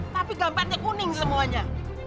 tapi gambarnya kuning semuanya